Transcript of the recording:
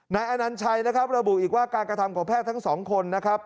อนัญชัยนะครับระบุอีกว่าการกระทำของแพทย์ทั้งสองคนนะครับ